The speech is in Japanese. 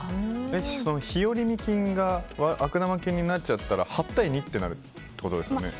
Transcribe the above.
日和見菌が悪玉菌になっちゃったら８対２になるってことですよね。